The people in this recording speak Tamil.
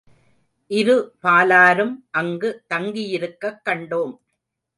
இருபாலரும் அங்கு தங்கியிருக்கக் கண்டோம்.